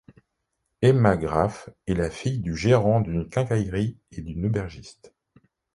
Emma Graf est la fille du gérant d’une quincaillerie et d’une aubergiste.